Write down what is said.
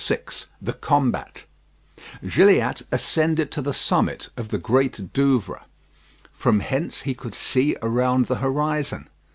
VI THE COMBAT Gilliatt ascended to the summit of the Great Douvre. From hence he could see around the horizon.